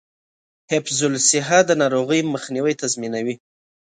حفظ الصحه د ناروغیو مخنیوی تضمینوي.